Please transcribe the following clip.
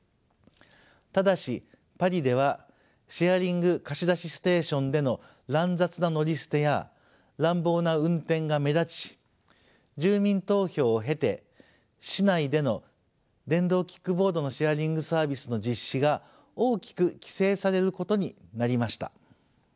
ただしパリではシェアリング貸し出しステーションでの乱雑な乗り捨てや乱暴な運転が目立ち住民投票を経て市内での電動キックボードのシェアリングサービスの実施が大きく規制されることになりました。